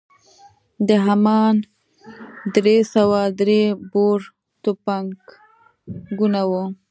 دا همان درې سوه درې بور ټوپکونه وو.